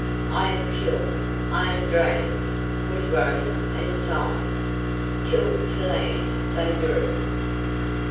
"I am killed!" "I am drowned!" with groans and sighs, Till to land they drew.